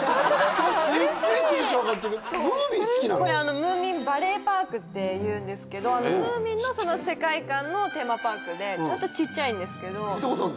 これムーミンバレーパークっていうんですけどムーミンのその世界観のテーマパークでちょっとちっちゃいんですけど行ったことあるの？